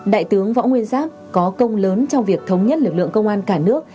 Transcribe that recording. đại tướng võ nguyên giáp có công lớn trong việc thống nhất lực lượng công an cả nước